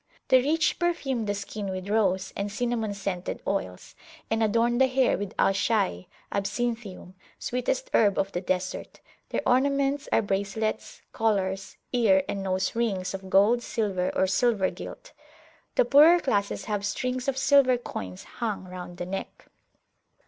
The rich perfume the skin with rose and cinnamon scented oils, and adorn the hair with Al Shayh (Absinthium), sweetest herb of the Desert; their ornaments are bracelets, collars, ear and nose rings of gold, silver, or silver gilt. The poorer classes have strings of silver coins hung round the neck.